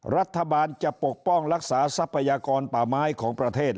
รัฐบาลจะปกป้องรักษาทรัพยากรป่าไม้ของประเทศ